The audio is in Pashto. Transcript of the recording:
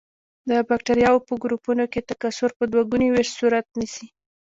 د بکټریاوو په ګروپونو کې تکثر په دوه ګوني ویش صورت نیسي.